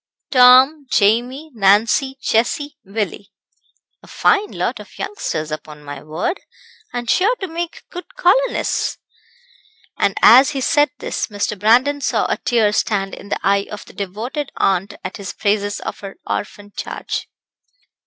"Tom, Jamie, Nancy, Jessie, Willie." "A fine lot of youngsters, upon my word, and sure to make good colonists." And, as he said this, Mr. Brandon saw a tear stand in the eye of the devoted aunt at his praises of her orphan charge.